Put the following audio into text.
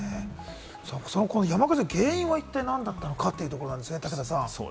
山火事の原因は一体何だったのか？というところなんですが、武田さん。